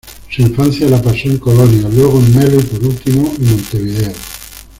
Su infancia la pasó en Colonia, luego en Melo y, por último en Montevideo.